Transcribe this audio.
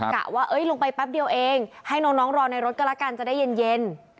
กะว่าลงไปแป๊บเดียวเองให้น้องรอในรถก็แล้วกันจะได้เย็น